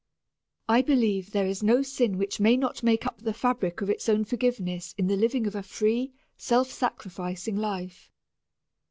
I believe there is no sin which may not make up the fabric of its own forgiveness in the living of a free, self sacrificing life.